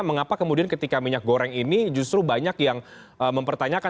mengapa kemudian ketika minyak goreng ini justru banyak yang mempertanyakan